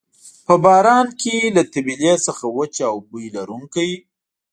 په باران کې له طبیلې څخه وچ او بوی لرونکی.